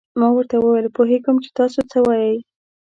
ما ورته وویل: پوهېږم چې تاسو څه وایئ.